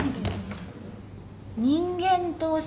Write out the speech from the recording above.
人間投資家？